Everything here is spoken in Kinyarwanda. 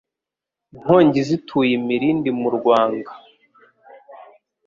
inkongi zituye imilindi mu rwanga